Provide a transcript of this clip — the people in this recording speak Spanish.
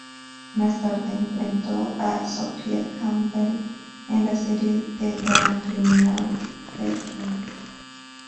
Más tarde interpretó a Sophie Campbell en la serie de drama-criminal "The Tunnel".